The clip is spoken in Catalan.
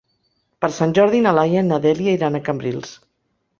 Per Sant Jordi na Laia i na Dèlia iran a Cambrils.